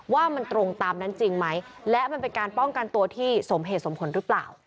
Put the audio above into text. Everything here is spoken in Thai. ว่ามันตรงตามนั้นจริงไหมและมันเป็นการป้องกันตัวที่สมเหตุสมผลหรือเปล่า